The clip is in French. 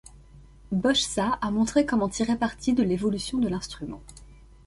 Bochsa a montré comment tirer parti de l'évolution de l'instrument.